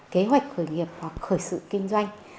kế hoạch khởi nghiệp hoặc khởi sự kinh doanh